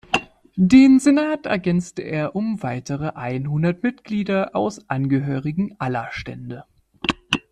Den Senat ergänzte er um weitere einhundert Mitglieder aus Angehörigen aller Stände.